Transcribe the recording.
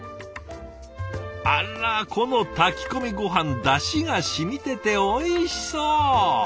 あらこの炊き込みごはんだしがしみてておいしそう！